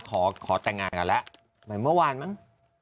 ขอขอแต่งงานกันแล้วเหมือนเมื่อวานมั้ง